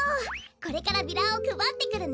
これからビラをくばってくるね！